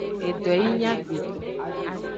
Edo yi nyi agbeto.